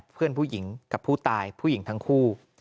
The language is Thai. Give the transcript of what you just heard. เพื่อนผู้หญิงกับผู้ตายผู้หญิงทั้งคู่